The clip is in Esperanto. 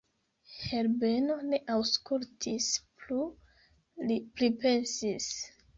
Herbeno ne aŭskultis plu; li pripensis.